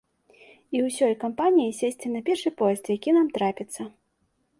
І ўсёй кампаніяй сесці на першы поезд, які нам трапіцца.